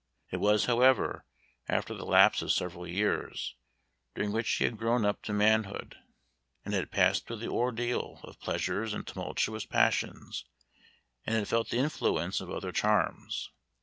It was, however, after the lapse of several years, during which he had grown up to manhood, and had passed through the ordeal of pleasures and tumultuous passions, and had felt the influence of other charms.